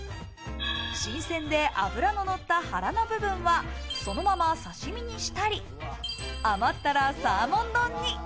新鮮で脂ののった腹の部分はそのまま刺し身にしたり、余ったらサーモン丼に。